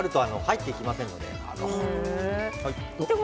油があると入っていきませんので。